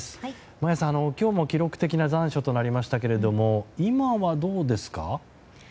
眞家さん、今日も記録的な残暑となりましたが今はどうですか？